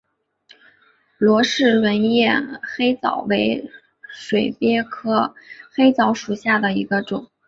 罗氏轮叶黑藻为水鳖科黑藻属下的一个种。